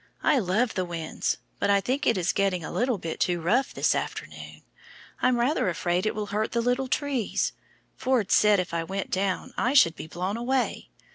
"I love the wind, but I think it is getting a little bit too rough this afternoon. I'm rather afraid it will hurt the little trees. Ford said if I went out I should be blown away.